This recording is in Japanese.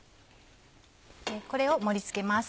これを盛り付けます。